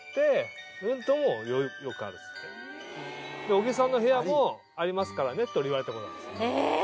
「小木さんの部屋もありますからね」って俺言われたことあります。